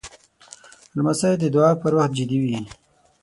لمسی د دعا پر وخت جدي وي.